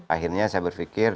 akhirnya saya berpikir